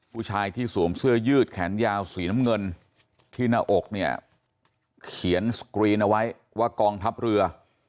ผู้ชายที่สวมเสื้อยืดแขนยาวสีน้ำเงินที่หน้าอกเนี่ยเขียนสกรีนเอาไว้ว่ากองทัพเรือ